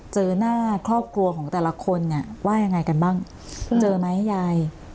เจอหน้าครอบครัวของแต่ละคนเนี่ยว่ายังไงกันบ้างเจอไหมยาย